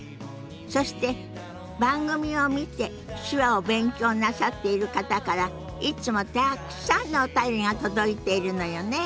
そして番組を見て手話を勉強なさっている方からいつもたくさんのお便りが届いているのよね？